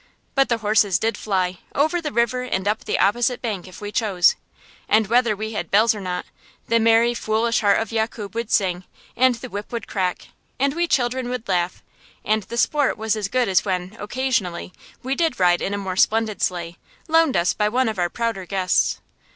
But the horses did fly, over the river and up the opposite bank if we chose; and whether we had bells or not, the merry, foolish heart of Yakub would sing, and the whip would crack, and we children would laugh; and the sport was as good as when, occasionally, we did ride in a more splendid sleigh, loaned us by one of our prouder guests.